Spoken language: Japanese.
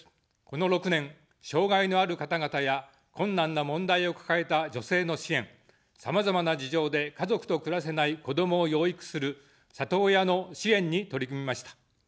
この６年、障がいのある方々や困難な問題を抱えた女性の支援、さまざまな事情で家族と暮らせない子どもを養育する里親の支援に取り組みました。